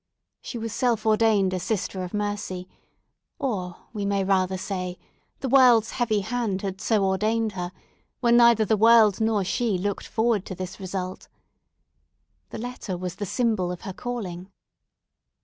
She was self ordained a Sister of Mercy, or, we may rather say, the world's heavy hand had so ordained her, when neither the world nor she looked forward to this result. The letter was the symbol of her calling.